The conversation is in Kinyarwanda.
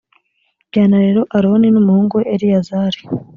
jyana rero aroni n’umuhungu we eleyazari.